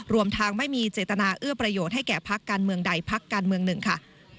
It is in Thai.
รวมทางไม่มีเจตนาเอื้อประโยชน์ให้แก่พักการเมืองใดพักการเมืองหนึ่งค่ะ